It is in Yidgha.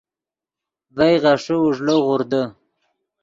ڤئے غیݰے اوݱڑے غوردے